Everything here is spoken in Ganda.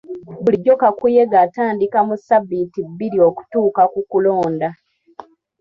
Bulijjo kakuyege atandika mu sabbiiti bbiri okutuuka ku kulonda.